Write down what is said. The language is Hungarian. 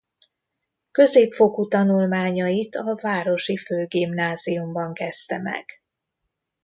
Középfokú tanulmányait a városi főgimnáziumban kezdte meg.